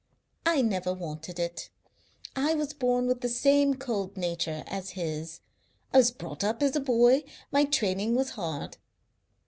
I never wanted it. I was born with the same cold nature as his. I was brought up as a boy, my training was hard.